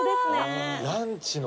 ランチの。